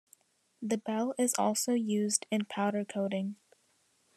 The bell is also used in powder coating.